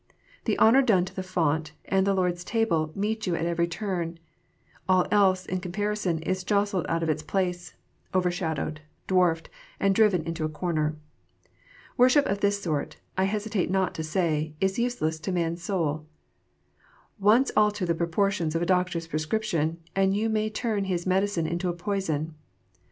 The honour done to the font and the Lord s Table meet you at every turn. All else, in comparison, is jostled out of its place, overshadowed, dwarfed, and driven into a corner. Worship of this sort, I hesitate not to say, is useless to man s soul. Once alter the proportions of a doctor s prescrip tion, and you may turn his medicine into a poison.